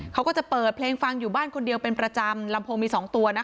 เขาก็จะเปิดเพลงฟังอยู่บ้านคนเดียวเป็นประจำลำโพงมี๒ตัวนะคะ